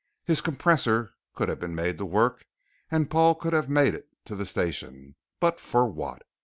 His compressor could have been made to work and Paul could have made it to the station, but for what?